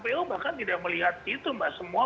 mbak putri bahkan tidak melihat itu mbak